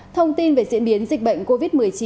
thông tin về diễn biến dịch bệnh covid một mươi chín